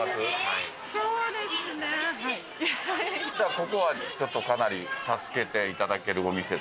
ここはかなり助けていただけるお店という。